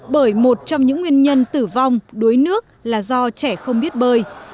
bởi một trong những nguyên nhân tử vong đuối nước là do trẻ không biết bơi